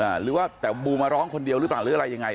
หรือว่าแต่บูมาร้องคนเดียวหรือเปล่าหรืออะไรยังไง